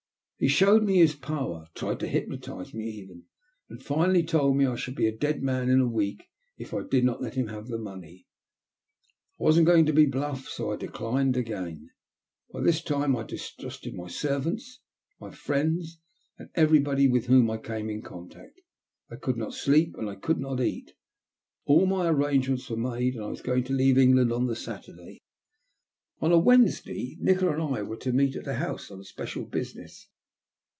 He showed me his power, tried to hypnotize me even, and finally told me I should be a dead man in a week if I did not let him have the money. I wasn*t going to be bluffed, so I declined again. By this time I distrusted my servants, my friends, and every body with whom I came in contact. I could not sleep, and I could not eat. All my arrangements were made, and I was going to leave England on the Saturday. On the Wednesday Nikola and I were to meet at a house on special business.